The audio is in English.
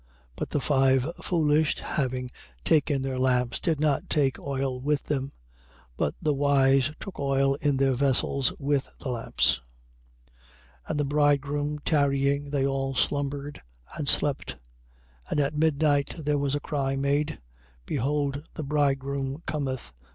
But the five foolish, having taken their lamps, did not take oil with them. 25:4. But the wise took oil in their vessels with the lamps. 25:5. And the bridegroom tarrying, they all slumbered and slept. 25:6. And at midnight there was a cry made: Behold the bridegroom cometh.